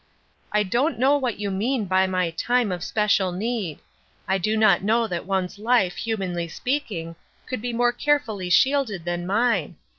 " I don't know what you mean by my ' time of special need ;' I do not know that one's life, humanly speaking, could be more carefully shielded than mine.